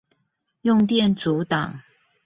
用電阻檔